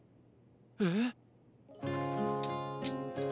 えっ？